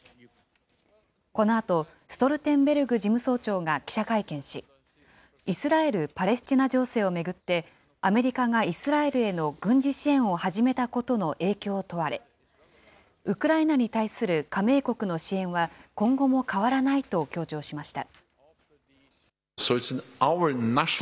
このあと、ストルテンベルグ記者会見し、イスラエル・パレスチナ情勢を巡って、アメリカがイスラエルへの軍事支援を始めたことの影響を問われ、ウクライナに対する加盟国の支援は今後も変わらないと強調しました。